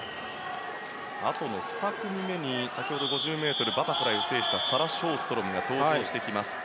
あとの２組目に先ほど５０ｍバタフライを制したサラ・ショーストロムが登場してきます。